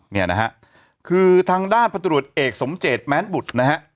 เนี่ยนะฮะคือทางด้านพันธุรกิจเอกสมเจตแม้นบุตรนะฮะ